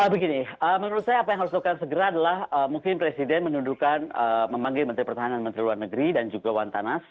begini menurut saya apa yang harus dilakukan segera adalah mungkin presiden menundukan memanggil menteri pertahanan menteri luar negeri dan juga wantanas